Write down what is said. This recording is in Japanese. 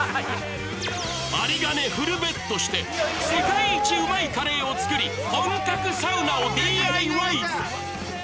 有り金フルベットして、世界一うまいカレーを作り、本格サウナをＤＩＹ。